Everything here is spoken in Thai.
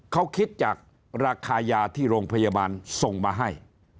เขาคิดจากราคายาที่โรงพยาบาลส่งมาให้